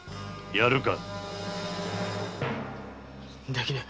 やるのか？